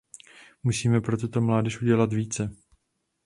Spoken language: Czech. Musíme pro tuto mládež udělat více.